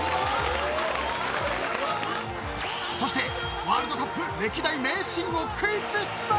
［そしてワールドカップ歴代名シーンをクイズで出題］